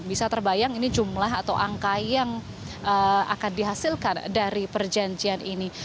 bisa terbayang ini jumlah atau angka yang akan dihasilkan dari perjanjian ini